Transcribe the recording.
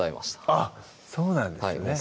あっそうなんですね